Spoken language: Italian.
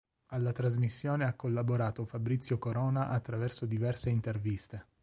Alla trasmissione ha collaborato Fabrizio Corona attraverso diverse interviste.